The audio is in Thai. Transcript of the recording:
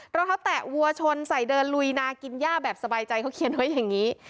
รองเท้าแตะวัวชนใส่เดินลุยนากินย่าแบบสบายใจเขาเขียนไว้อย่างนี้